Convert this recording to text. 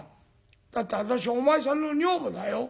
「だって私お前さんの女房だよ。